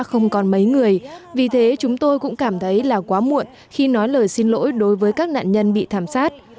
không còn mấy người vì thế chúng tôi cũng cảm thấy là quá muộn khi nói lời xin lỗi đối với các nạn nhân bị thảm sát